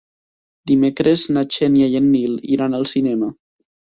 Dimecres na Xènia i en Nil iran al cinema.